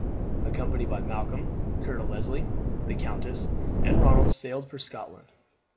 Accompanied by Malcolm, Colonel Leslie, the countess, and Ronald sailed for Scotland.